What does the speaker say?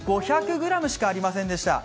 ５００ｇしかありませんでした。